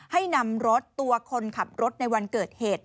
ให้นำรถตัวคนขับรถในวันเกิดเหตุ